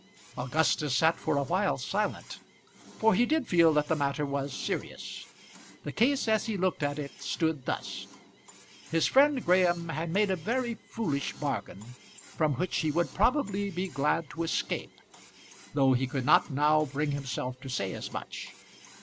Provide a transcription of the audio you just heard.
Augustus sat for a while silent, for he did feel that the matter was serious. The case as he looked at it stood thus: His friend Graham had made a very foolish bargain, from which he would probably be glad to escape, though he could not now bring himself to say as much.